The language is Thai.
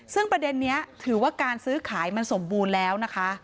ซึ่งประเด็นนี้ถือว่าการซื้อขายมันสมบูรณ์แล้วนะคะ